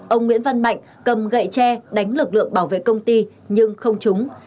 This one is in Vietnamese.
ông nguyễn văn mạnh cầm gậy tre đánh lực lượng bảo vệ công ty nhưng không trúng